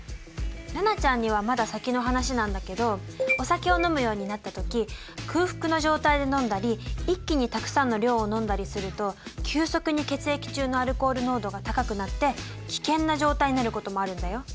瑠菜ちゃんにはまだ先の話なんだけどお酒を飲むようになった時空腹の状態で飲んだり一気にたくさんの量を飲んだりすると急速に血液中のアルコール濃度が高くなって危険な状態になることもあるんだよ。